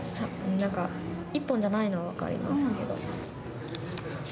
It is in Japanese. なんか、１本じゃないのは分かりますけど。